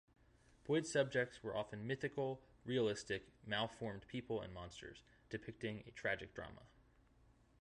Boyd's subjects were often mythical, realistic, malformed people and monsters, depicting a tragic drama.